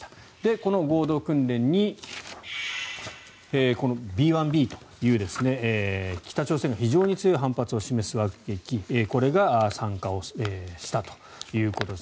この合同訓練に、Ｂ１Ｂという北朝鮮が非常に強い反発を示す爆撃機これが参加したということです。